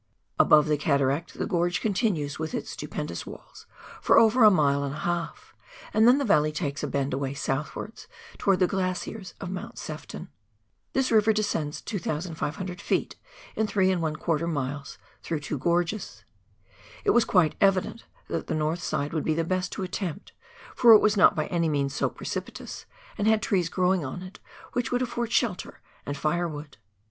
Above the cataract the gorge con tinues with its stupendous walls for over a mile and a half, and then the valley takes a bend away southwards, toward the glaciers of Mount Sefton. This river descends 2,500 ft. in 3j miles through two gorges. It was quite evident that the north side would be the best to attempt, for it was not by any means so precipitous, and had trees growing on it which would afford shelter and firewood.